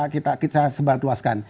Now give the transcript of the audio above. kita sebarat luaskan